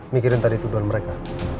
mikirin tadi tuduhan mereka